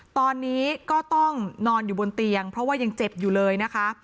ตอนนี้ก็ต้องนอนอยู่บนเตียงเพราะว่ายังเจ็บอยู่เลยนะคะ